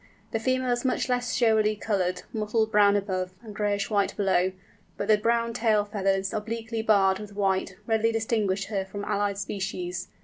The female is much less showily coloured, mottled brown above, and grayish white below, but the brown tail feathers, obliquely barred with white, readily distinguish her from allied species.